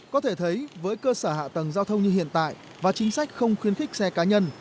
có thể thấy với cơ sở hạ tầng giao thông như hiện tại và chính sách không khuyến khích xe cá nhân